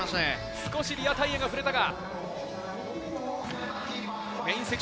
少しリアタイヤが触れたか。